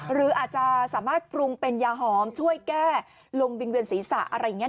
หรืออาจจะสามารถปรุงเป็นยาหอมช่วยแก้ลมวิงเวียนศีรษะอะไรอย่างนี้